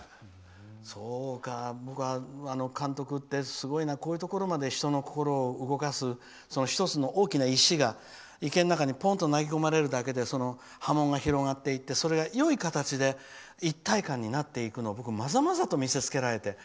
そうか、僕は監督ってすごいなこういうところまで人の心を動かす１つの大きな石が池の中にぽんと投げ込まれるだけで波紋が広がっていってそれが、よい形で一体感になっていくのを僕はまざまざと見せ付けられて。